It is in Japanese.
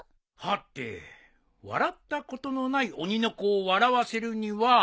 はて笑ったことのない鬼の子を笑わせるには。